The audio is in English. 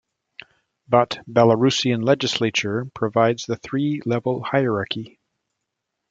But Belarusian legislature provides the three-level hierarchy.